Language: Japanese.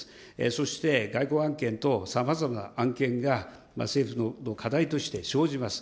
そして外交案件等、さまざまな案件が政府の課題として生じます。